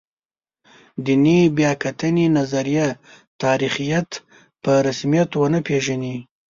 دیني بیا کتنې نظریه تاریخیت په رسمیت ونه پېژني.